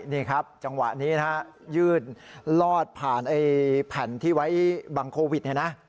นี่ครับจังหวะนี้ยื่นรอดผ่านแผ่นที่ไว้บังโควิด